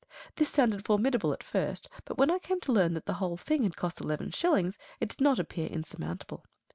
This sounded formidable at first, but when I came to learn that the whole thing had cost eleven shillings, it did not appear insurmountable.